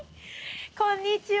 こんにちは。